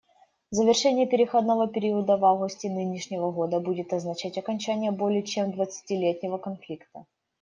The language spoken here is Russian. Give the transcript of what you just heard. Завершение переходного периода в августе нынешнего года будет означать окончание более чем двадцатилетнего конфликта.